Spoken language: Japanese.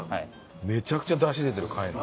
めちゃくちゃ出汁出てる貝の。